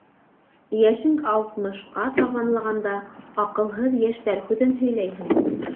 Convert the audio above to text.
Йәшең алтмышҡа табанлағанда, аҡылһыҙ йәштәр һүҙен һөйләйһең.